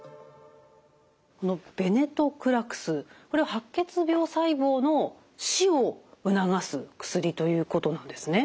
このベネトクラクスこれは白血病細胞の死を促す薬ということなんですね？